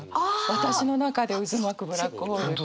「私の中で渦巻くブラックホール」って。